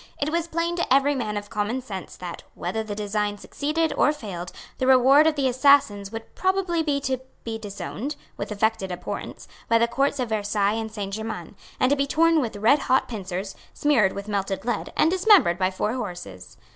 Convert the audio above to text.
It was plain to every man of common sense that, whether the design succeeded or failed, the reward of the assassins would probably be to be disowned, with affected abhorrence, by the Courts of Versailles and Saint Germains, and to be torn with redhot pincers, smeared with melted lead, and dismembered by four horses.